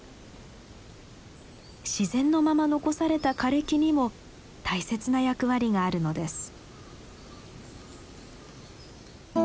自然のまま残された枯れ木にも大切な役割があるのです。